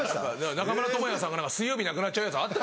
中村倫也さんが水曜日なくなっちゃうやつあった。